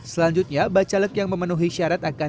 selanjutnya bacalek yang memenuhi syarat akan